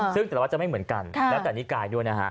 ซึ่งแต่ว่าจะไม่เหมือนกันรายการง่ายด้วย